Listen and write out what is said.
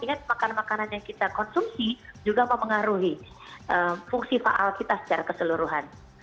ingat makanan makanan yang kita konsumsi juga mempengaruhi fungsi faal kita secara keseluruhan